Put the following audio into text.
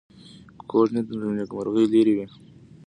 کوږ نیت له نېکمرغۍ لرې وي